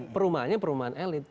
perumahannya perumahan elit